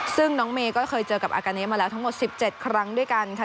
ซึ่งน้องเมย์ก็เคยเจอกับอาการนี้มาแล้วทั้งหมด๑๗ครั้งด้วยกันค่ะ